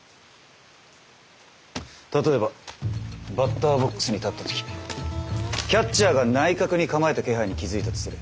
例えばバッターボックスに立った時キャッチャーが内角に構えた気配に気付いたとする。